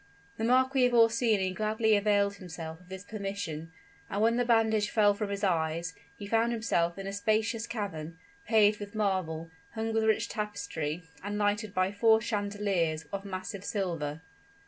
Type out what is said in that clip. The Marquis of Orsini gladly availed himself of this permission; and when the bandage fell from his eyes, he found himself in a spacious cavern, paved with marble, hung with rich tapestry, and lighted by four chandeliers of massive silver.